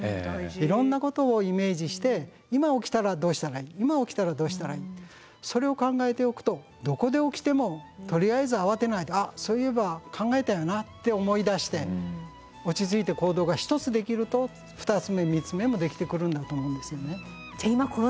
いろんなことをイメージして「今起きたらどうしたらいい今起きたらどうしたらいい」それを考えておくとどこで起きてもとりあえず慌てないで「あっそういえば考えたよな」って思い出して落ち着いて行動が１つできると２つ目３つ目もできてくるんだと思うんですよね。